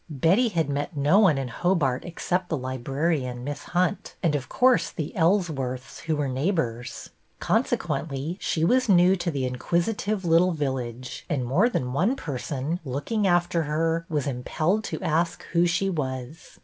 Betty had met no one in Hobart except the librarian. Miss Hunt, and of course the Ellsworths, who MERRYLEGS 33 were neighbors. Consequently, she was new to the inquisitive little village, and more than one person, looking after her, was impelled to ask who she was.